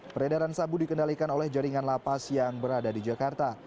peredaran sabu dikendalikan oleh jaringan lapas yang berada di jakarta